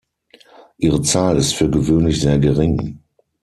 Ihre Zahl ist für gewöhnlich sehr gering.